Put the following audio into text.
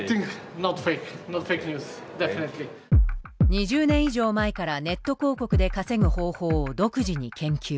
２０年以上前からネット広告で稼ぐ方法を独自に研究。